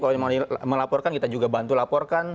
kalau yang mau melaporkan kita juga bantu laporkan